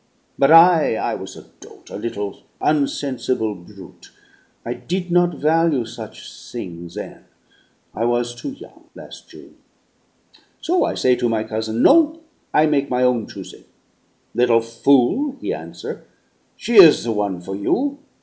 But I? I was a dolt, a little unsensible brute; I did not value such thing' then; I was too yo'ng, las' June. So I say to my cousin, 'No, I make my own choosing!' 'Little fool,' he answer, 'she is the one for you.